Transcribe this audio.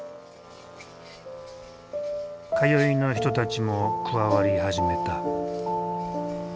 通いの人たちも加わり始めた。